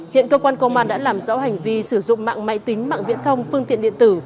hiện cơ quan công an đã làm rõ hành vi sử dụng mạng máy tính mạng viễn thông phương tiện điện tử